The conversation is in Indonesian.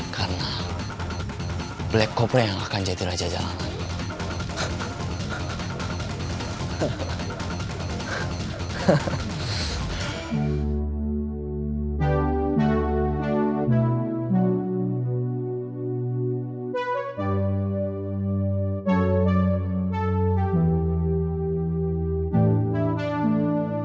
karena black cobra yang akan jadi raja jalanan